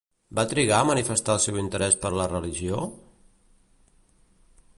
Va trigar a manifestar el seu interès per la religió?